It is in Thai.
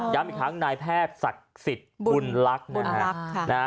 ย้ำอีกครั้งนายแพทย์ศักดิ์สิทธิ์บุญลักษณ์